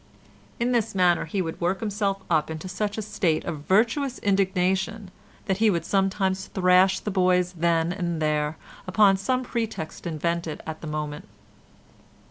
In this manner he would work himself up into such a state of virtuous indignation that he would sometimes thrash the boys then and there upon some pretext invented at the moment.